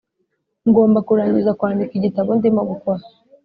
ngomba kurangiza kwandika igitabo ndimo gukora.